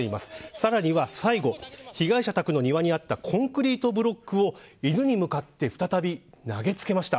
さらには最後、被害者宅の庭にあったコンクリートブロックを犬に向かって再び投げつけました。